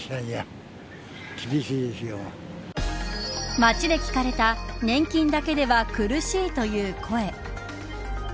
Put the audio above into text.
街で聞かれた年金だけでは苦しいという声。